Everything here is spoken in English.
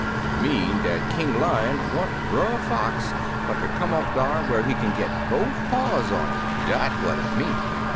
"It mean dat King Lion want Brer Fox fer ter come up dar whar he kin git bofe paws on 'im, dat what it mean!"